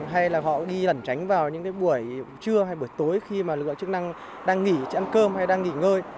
hay là họ đi lẩn tránh vào những cái buổi trưa hay buổi tối khi mà lực lượng chức năng đang nghỉ ăn cơm hay đang nghỉ ngơi